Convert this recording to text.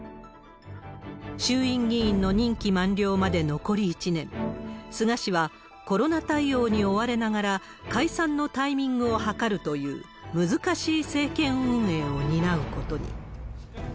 衆院議員の任期満了まで残り１年、菅氏はコロナ対応に追われながら、解散のタイミングを計るという難しい政権運営を担うことに。